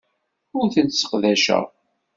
Ur tent-sseqdaceɣ.